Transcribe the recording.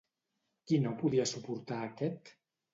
Qui no podia suportar aquest?